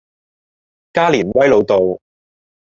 加連威老道